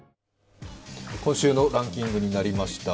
今週のランキングになりました。